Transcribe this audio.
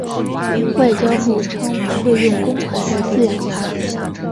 外交部称不会用公款来饲养它。